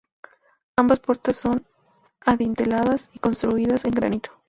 Ambas puertas son adinteladas y construidas en granito.